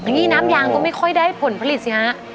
นี่น้ำยางก็ไม่ค่อยได้ผลผลิตสิฮะ